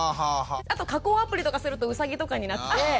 あと加工アプリとかするとウサギとかになって。